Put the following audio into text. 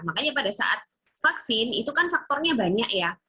makanya pada saat vaksin itu kan faktornya banyak ya